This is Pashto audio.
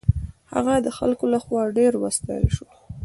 هغه د خلکو له خوا ډېر وستایل شو.